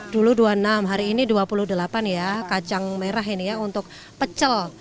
dulu dua puluh enam hari ini dua puluh delapan ya kacang merah ini ya untuk pecel